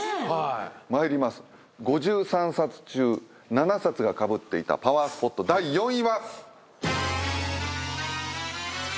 ５３冊中７冊がかぶっていたパワースポット第４位は。